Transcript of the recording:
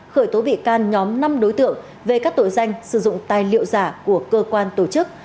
khởi tố bị can nhóm năm đối tượng về các tội danh sử dụng tài liệu giả của cơ quan tổ chức